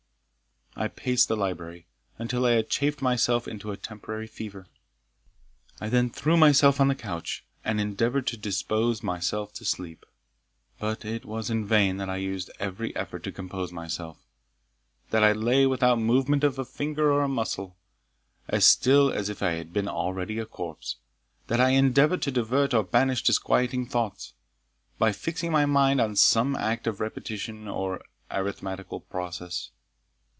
I paced the library until I had chafed myself into a temporary fever. I then threw myself on the couch, and endeavoured to dispose myself to sleep; but it was in vain that I used every effort to compose myself that I lay without movement of finger or of muscle, as still as if I had been already a corpse that I endeavoured to divert or banish disquieting thoughts, by fixing my mind on some act of repetition or arithmetical process.